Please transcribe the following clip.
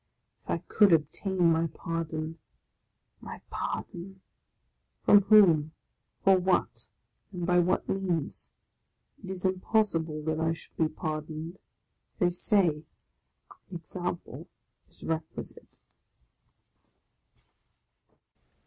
If I could obtain my pardon !— my pardon ! From whom, for what, and by what means ? It is impossible that I should be pardoned. They say an example is requisite.